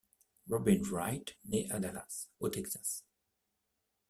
Robin Wright naît à Dallas, au Texas.